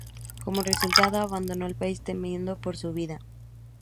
Como resultado, abandonó el país temiendo por su vida.